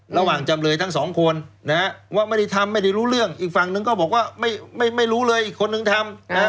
จำเลยทั้งสองคนว่าไม่ได้ทำไม่ได้รู้เรื่องอีกฝั่งนึงก็บอกว่าไม่รู้เลยอีกคนนึงทำ